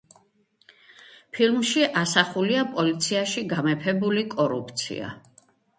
ფილმში ასახულია პოლიციაში გამეფებული კორუფცია.